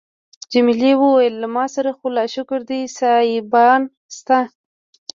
جميلې وويل: له ما سره خو لا شکر دی سایبان شته.